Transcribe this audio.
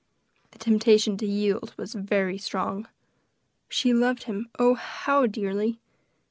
The temptation to yield was very strong. She loved him, oh, how dearly!